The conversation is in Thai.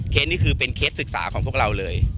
นี่คือเป็นเคสศึกษาของพวกเราเลย